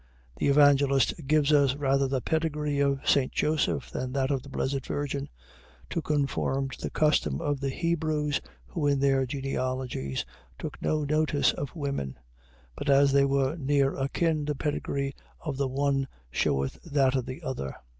. .The Evangelist gives us rather the pedigree of St. Joseph, than that of the blessed Virgin, to conform to the custom of the Hebrews, who in their genealogies took no notice of women; but as they were near akin, the pedigree of the one sheweth that of the other.